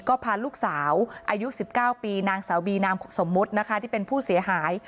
ก็พาลูกสาวอายุ๑๙ปีนางสาวบีนามสมมุตินะคะที่เป็นผู้เสียหาย